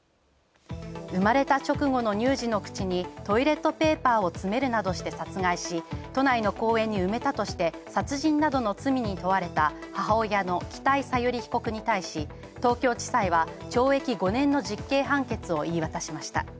生まれた直後の乳児の口にトイレットペーパーを詰めるなどして殺害し、都内の公園に埋めたとして殺人などの罪に問われた母親の北井小由里被告に対し、東京地裁は、懲役５年の実刑判決を言い渡しました。